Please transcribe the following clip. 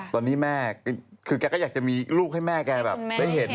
ตอนนี้แม่คือแกก็อยากจะมีลูกให้แม่แกแบบได้เห็น